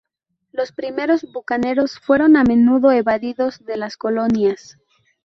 Los primeros bucaneros fueron a menudo evadidos de las colonias.